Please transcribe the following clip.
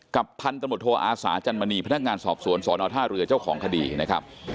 พันตำรวจโทอาสาจันมณีพนักงานสอบสวนสอนอท่าเรือเจ้าของคดีนะครับ